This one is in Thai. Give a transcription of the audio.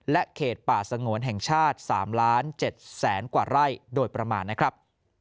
และเขตป่าสงวนแห่งชาติ๓ล้าน๗แสนกว่าไร่โดยประมาณนะครับ